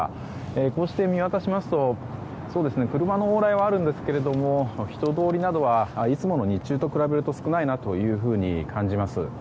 こうして見渡しますと車の往来はありますが人通りなどはいつもの日中と比べると少ないなというふうに感じます。